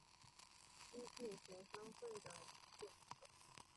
激进学生会的掩护机构。